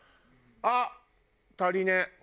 「あっ足りねえ。